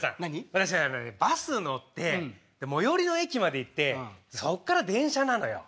私バス乗ってで最寄りの駅まで行ってそっから電車なのよ。